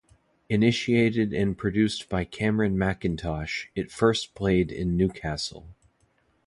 Initiated and produced by Cameron Mackintosh, it first played in Newcastle.